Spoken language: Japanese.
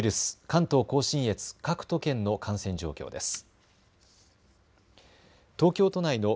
関東甲信越、各都県の感染状況です。